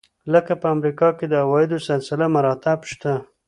لکه په امریکا کې د عوایدو سلسله مراتب شته.